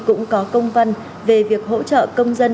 cũng có công văn về việc hỗ trợ công dân